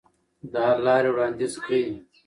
د حل لارې وړاندیز کړئ.